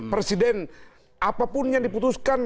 presiden apapun yang diputuskan